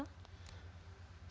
saya yang terima